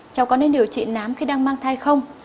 cháu có nên điều trị nám khi đang mang thai không